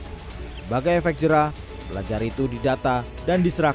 sebagai efek jerah pelajar itu didata dan diselenggarakan untuk mencari penyelesaian yang tidak terlalu baik